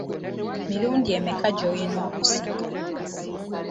Mirundi emeka gy’olina okusiga?